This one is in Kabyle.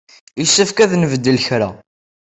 Yessefk ad nbeddel kra.